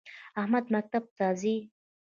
احمد مکتب ته ځی